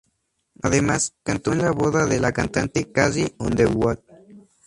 Además, cantó en la boda de la cantante Carrie Underwood.